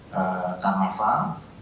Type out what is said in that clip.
di tanah pang